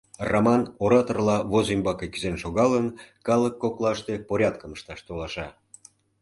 Раман ораторла воз ӱмбаке кӱзен шогалын, калык коклаште порядкым ышташ толаша: